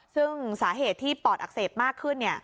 ซึ่งสาเหตุที่ปอดอักเสบมากขึ้น